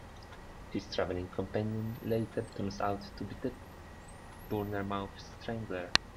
His traveling companion later turns out to be the Bournemouth Strangler.